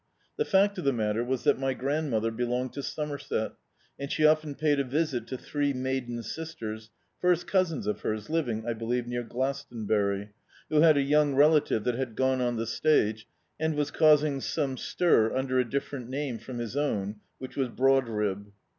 The fact of the matter was tiiat my grandmother belonged to Somerset, and she often paid a visit to three maiden sisters, first cousins of hers, living, I believe, near Glastonbury, who had a young relative that had gone on the stage, and was causing some stir under a different name from his own, which was Brodrib.